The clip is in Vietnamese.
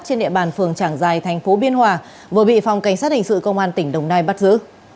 trên địa bàn phường trảng giài thành phố biên hòa vừa bị phòng cảnh sát hình sự công an tỉnh đồng nai bắt giữ